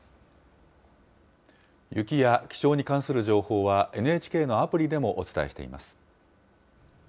雪や気象に関する情報は、ＮＨＫのアプリでもお伝えしています。